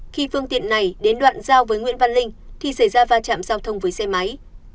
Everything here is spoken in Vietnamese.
khi phương tiện này đến đoạn giao với nguyễn văn linh thì xảy ra va chạm giao thông với xe máy